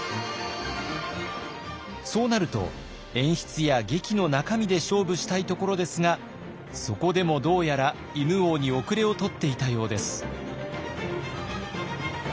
そうなると演出や劇の中身で勝負したいところですがそこでもどうやら犬王に後れを取っていたようです。